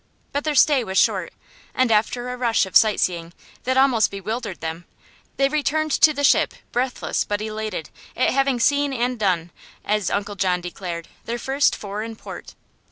But their stay was short, and after a rush of sightseeing that almost bewildered them they returned to the ship breathless but elated at having "seen an' done," as Uncle John declared, their first foreign port.